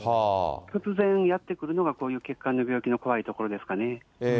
突然やって来るのが、こういう血管の病院の怖いところですかね。